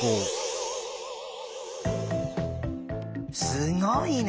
すごいね！